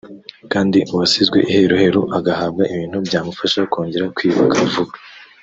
kandi uwasizwe iheruheru agahabwa ibintu byamufasha kongera kwiyubaka vuba